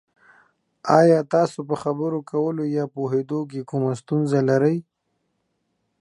ایا تاسو په خبرو کولو یا پوهیدو کې کومه ستونزه لرئ؟